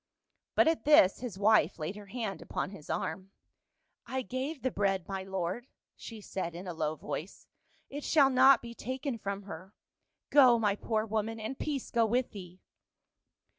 But at this his wife laid her hand upon his arm. " I gave the bread, my lord," she said in a low voice. " It shall not be taken from her. Go, my poor woman, and peace go with thee."